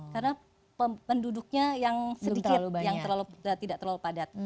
karena penduduknya yang sedikit yang tidak terlalu padat